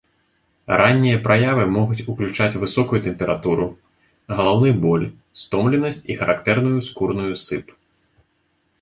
Раннія праявы могуць ўключаць высокую тэмпературу, галаўны боль, стомленасць і характэрную скурную сып.